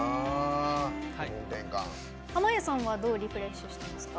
濱家さんはどうリフレッシュしてますか？